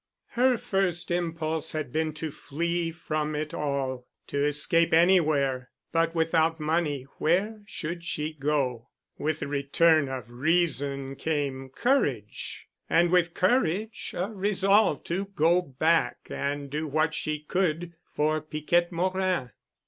Her first impulse had been to flee from it all—to escape anywhere—but without money where should she go? With the return of reason came courage. And with courage a resolve to go back and do what she could for Piquette Morin.